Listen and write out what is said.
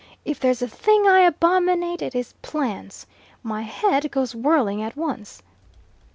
If there's a thing I abominate, it is plans. My head goes whirling at once."